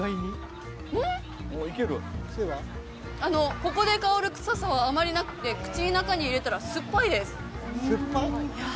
ここで香る臭さはあまりなくって口の中に入れたら酸っぱいですいや